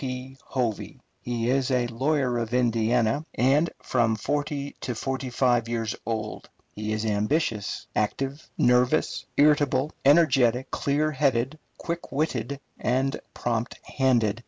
P. Hovey. He is a lawyer of Indiana, and from forty to forty five years old. He is ambitious, active, nervous, irritable, energetic, clear headed, quick witted, and prompt handed.